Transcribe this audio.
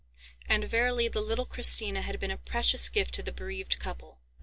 And verily the little Christina had been a precious gift to the bereaved couple.